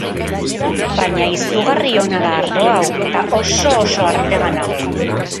Baina izugarri ona da ardo hau, eta oso-oso artega nago.